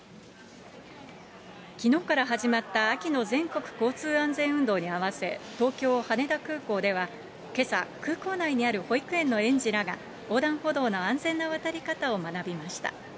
きのうから始まった秋の全国交通安全運動に合わせ、東京・羽田空港では、けさ、空港内にある保育園の園児らが、横断歩道の安全な渡り方を学びました。